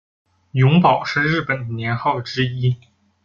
永保是日本的年号之一。